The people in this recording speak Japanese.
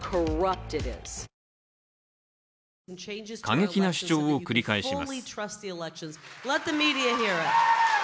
過激な主張を繰り返します。